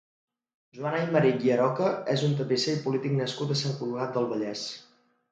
Joan Aymerich i Aroca és un tapisser i polític nascut a Sant Cugat del Vallès.